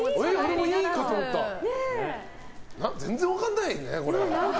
全然分かんないね、これ。